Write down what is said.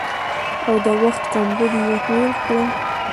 او د وخت کمبود مو هېر کړ